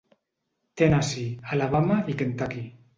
Tennessee, Alabama i Kentucky.